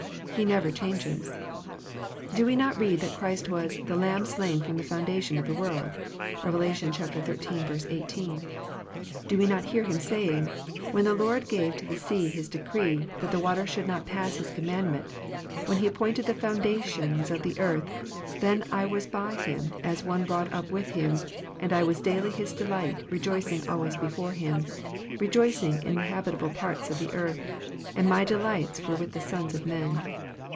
He never changes. Do we not read that Christ was " the Lamb slain from the foundation of the world?" (Rev. xiii. 18.) Do we not hear Him saying, " When the Lord gave to the sea His decree, that the w r aters should not pass His commandment : when He appointed the foundations of the earth : then I was by Him, as one brought up with Him : and I was daily His delight, rejoicing always before Him ; rejoicing in the habitable part of the earth ; and my delights were with the sons of men."